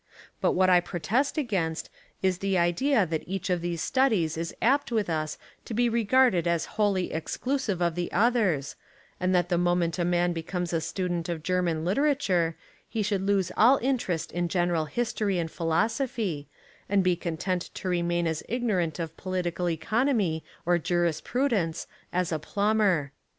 But what I protest against is the idea that each of these studies is apt with us to be regarded as wholly exclusive of the others, and that the moment a man becomes a student of German literature he should lose all inter est in general history and philosophy, and be content to remain as ignorant of political econ omy or jurisprudence as a plumber.